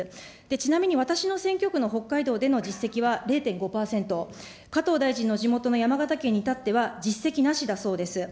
ちなみに私の選挙区の北海道での実績は０．５％、加藤大臣の地元の山形県にいたっては、実績なしだそうです。